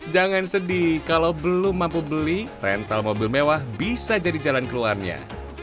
jangan sedih kalau belum mampu beli rental mobil mewah bisa jadi jalan keluarnya